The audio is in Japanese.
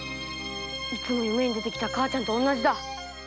いつも夢に出てきた母ちゃんと同じだ。